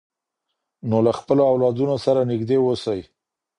نو له خپلو اولادونو سره نږدې اوسئ.